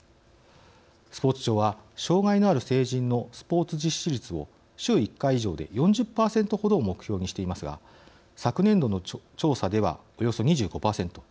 スポーツ庁は障害のある成人のスポーツ実施率を週１回以上で４０％ほどを目標にしていますが昨年度の調査ではおよそ２５％。